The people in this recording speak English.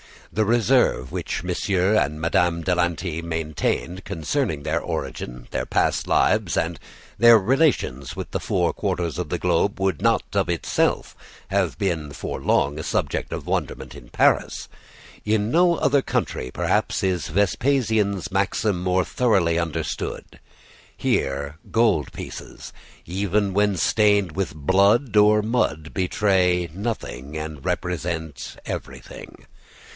The reserve which Monsieur and Madame de Lanty maintained concerning their origin, their past lives, and their relations with the four quarters of the globe would not, of itself, have been for long a subject of wonderment in Paris. In no other country, perhaps, is Vespasian's maxim more thoroughly understood. Here gold pieces, even when stained with blood or mud, betray nothing, and represent everything.